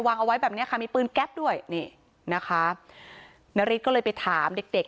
เอาไว้แบบเนี้ยค่ะมีปืนแก๊ปด้วยนี่นะคะนาริสก็เลยไปถามเด็กเด็ก